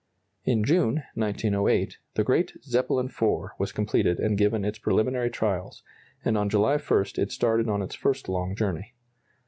In June, 1908, the great "Zeppelin IV" was completed and given its preliminary trials, and on July 1 it started on its first long journey.